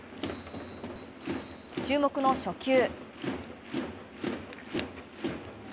注目の初球。